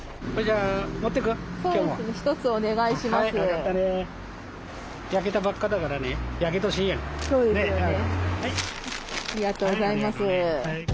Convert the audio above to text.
ありがとうございます。